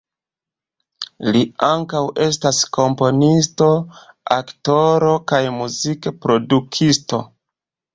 Li ankaŭ estas komponisto, aktoro kaj muzikproduktisto.